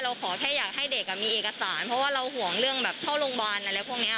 ขอแค่อยากให้เด็กมีเอกสารเพราะว่าเราห่วงเรื่องแบบเข้าโรงพยาบาลอะไรพวกนี้